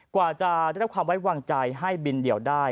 กว่าจะได้รับความไว้วางใจให้บินเดี่ยวได้